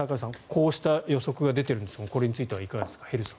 こうした予測が出ているんですがこれについてはいかがですか。